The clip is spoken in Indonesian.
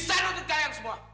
saya bisa nutup kalian semua